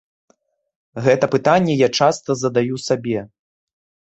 Гэта пытанне я часта задаю сабе.